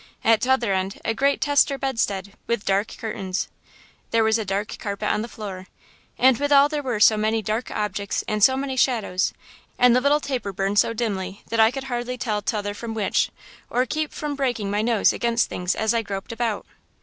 At t'other end a great tester bedstead with dark curtains. There was a dark carpet on the floor. And with all there were so many dark objects and so many shadows, and the little taper burned so dimly that I could hardly tell t'other from which, or keep from breaking my nose against things as I groped about.